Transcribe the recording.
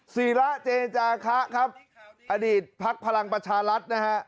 ศีราเจญญาคาอดีตภักดิ์พลังประชาลัทธุ์นะครับ